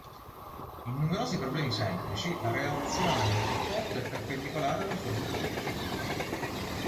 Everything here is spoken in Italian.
In numerosi problemi semplici, la reazione del supporto è perpendicolare alla sua superficie.